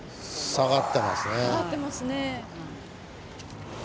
下がってますね。